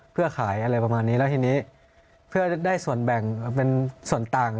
เพื่อขายอะไรประมาณนี้แล้วทีนี้เพื่อได้ส่วนแบ่งเป็นส่วนต่าง